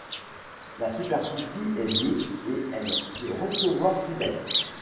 La superficie est de et elle peut recevoir fidèles.